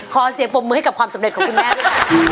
ขอเสียงปรบมือให้กับความสำเร็จของคุณแม่ด้วยค่ะ